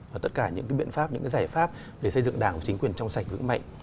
và tất cả những biện pháp những giải pháp để xây dựng đảng của chính quyền trong sạch vững mạnh